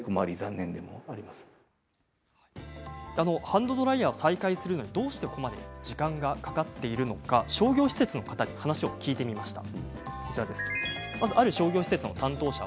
ハンドドライヤーを再開するのは、どうしてここまで時間がかかっているのか商業施設の方に話を聞いてみました。